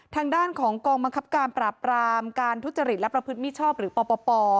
ทางด้านของกองบังคับการปราบรามการทุจริตและประพฤติมิชชอบหรือปป